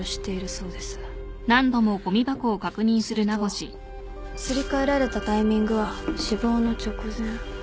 するとすり替えられたタイミングは死亡の直前。